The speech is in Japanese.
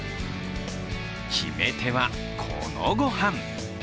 決め手は、このご飯。